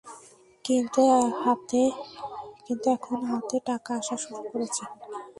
কিন্তু এখন হাতে টাকা আসা শুরু করছে।